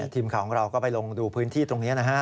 ทีมข่าวของเราก็ไปลงดูพื้นที่ตรงนี้นะฮะ